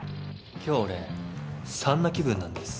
今日俺３な気分なんです。